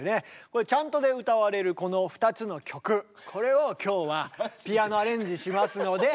これチャントで歌われるこの２つの曲これを今日はピアノアレンジしますので。